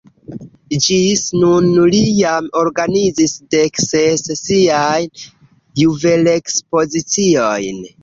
Ĝis nun li jam organizis dek ses siajn juvelekspoziciojn.